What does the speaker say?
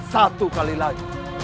satu kali lagi